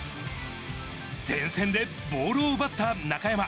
前線でボールを奪った中山。